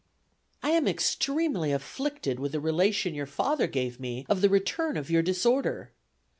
"I am extremely afflicted with the relation your father gave me of the return of your disorder.